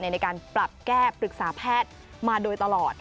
ในการปรับแก้ปรึกษาแพทย์มาโดยตลอด